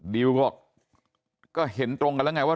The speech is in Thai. ดิวบอกก็เห็นตรงกันแล้วไงว่า